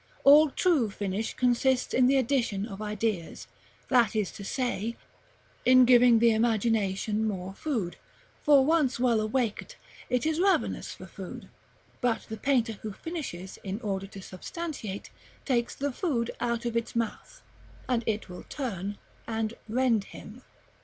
All true finish consists in the addition of ideas, that is to say, in giving the imagination more food; for once well awaked, it is ravenous for food: but the painter who finishes in order to substantiate takes the food out of its mouth, and it will turn and rend him.